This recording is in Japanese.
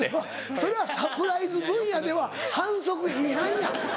それはサプライズ分野では反則違反や。